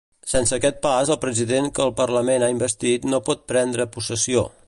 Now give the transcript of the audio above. Sense aquest pas el president que el Parlament ha investit no pot prendre possessió.